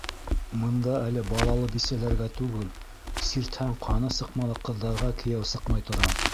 Мында әле балалы бисәләргә түгел, сиртһәң ҡаны сыҡмалы ҡыҙҙарға кейәү сыҡмай тора.